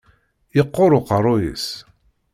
Yeqquṛ uqeṛṛu-yis.